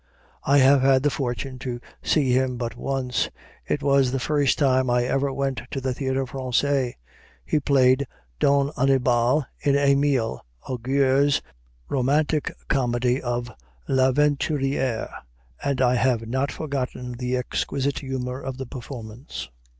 I have had the fortune to see him but once; it was the first time I ever went to the Théâtre Français. He played Don Annibal in Émile Augier's romantic comedy of "L'Aventurière," and I have not forgotten the exquisite humor of the performance.